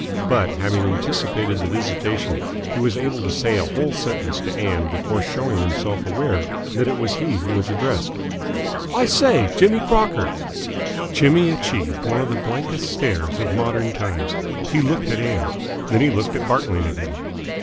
But, having anticipated the visitation, he was able to say a whole sentence to Ann before showing himself aware that it was he who was addressed. "I say! Jimmy Crocker!" Jimmy achieved one of the blankest stares of modern times. He looked at Ann. Then he looked at Bartling again.